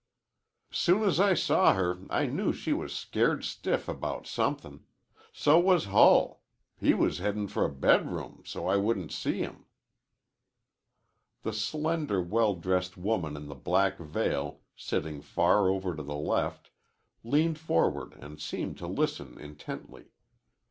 "'Soon as I saw her I knew she was scared stiff about somethin'. So was Hull. He was headin' for a bedroom, so I wouldn't see him." The slender, well dressed woman in the black veil, sitting far over to the left, leaned forward and seemed to listen intently.